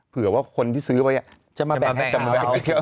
เผื่อว่าคนที่ซื้อไว้จะมาแบ่งของเขา